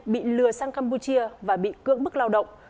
bị lừa sang campuchia và bị cưỡng bức lao động